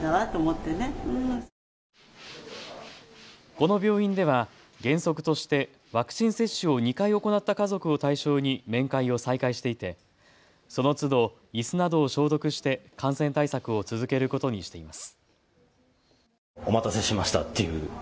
この病院では原則としてワクチン接種を２回行った家族を対象に面会を再開していてそのつど、いすなどを消毒して感染対策を続けることにしています。